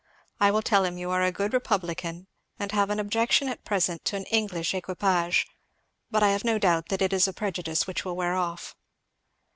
I will tell him you are a good republican, and have an objection at present to an English equipage, but I have no doubt that it is a prejudice which will wear off."